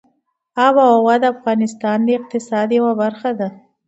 آب وهوا د افغانستان د اقتصاد یوه برخه ده.